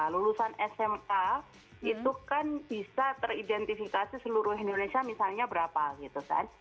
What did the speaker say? lulusan sma itu kan bisa teridentifikasi seluruh indonesia misalnya berapa gitu kan